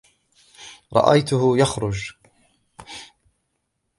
رأيته يخرج.